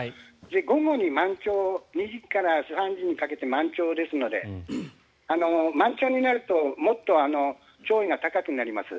午後に満潮２時から３時にかけて満潮ですので、満潮になるともっと潮位が高くなります。